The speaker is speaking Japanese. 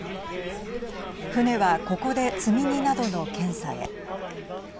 船はここで積み荷などの検査へ。